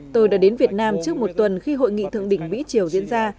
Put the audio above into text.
tôi đã đến việt nam trước một tuần khi hội nghị thượng đỉnh mỹ triều diễn ra